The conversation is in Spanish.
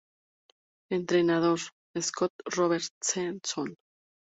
Entrenador: Scott Robertson.